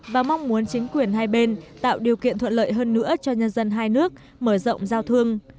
và mong muốn chính quyền hai bên tạo điều kiện thuận lợi hơn nữa cho nhân dân hai nước mở rộng giao thương